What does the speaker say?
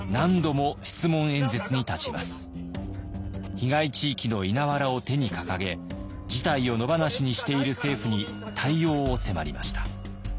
被害地域の稲わらを手に掲げ事態を野放しにしている政府に対応を迫りました。